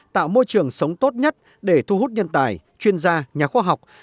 tạo môi trường sống tốt nhất để thu hút nhân tài chuyên gia nhà khoa học